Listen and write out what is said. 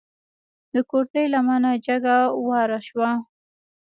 د کورتۍ لمنه جګه واره شوه.